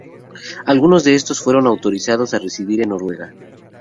Algunos de estos fueron autorizados a residir en Noruega.